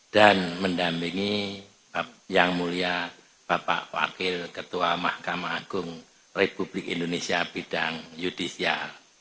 dan mendampingi yang mulia bapak wakil ketua mahkamah agung republik indonesia bidang yudisial